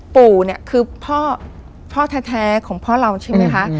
ปู่เนี่ยคือพ่อแท้ของพ่อเราใช่ไหมคะ